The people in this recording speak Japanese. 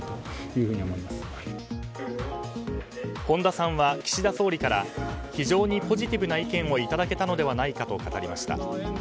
本田さんは岸田総理から非常にポジティブな意見をいただけたのではないかと語りました。